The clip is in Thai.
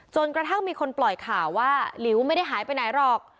จนกระทั่งมีคนปล่อยข่าวว่าหลิวไม่ได้หายไปไหนหรอก